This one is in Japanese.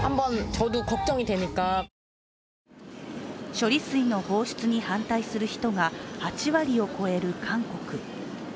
処理水の放出に反対する人が８割を超える韓国。